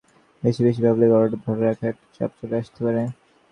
বেশি বেশি ভাবলে গড়টা ধরে রাখার একটা চাপ চলে আসতে পারে।